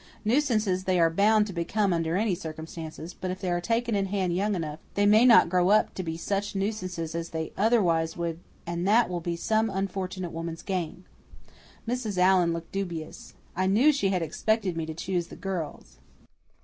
Nuisances they are bound to become under any circumstances; but if they are taken in hand young enough they may not grow up to be such nuisances as they otherwise would and that will be some unfortunate woman's gain." Mrs. Allan looked dubious. I knew she had expected me to choose the girls.